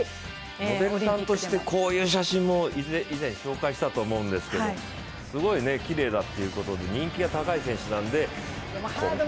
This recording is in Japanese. モデルさんとして、こういう写真も以前紹介したと思うんですけどすごいきれいだっていうことで人気が高い選手なんで、今回。